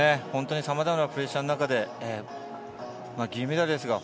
さまざまなプレッシャーの中で、銀メダルです。